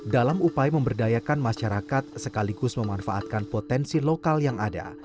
dalam upaya memberdayakan masyarakat sekaligus memanfaatkan potensi lokal yang ada